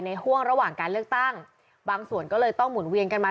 ห่วงระหว่างการเลือกตั้งบางส่วนก็เลยต้องหมุนเวียนกันมา